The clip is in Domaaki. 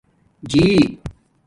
جیݵ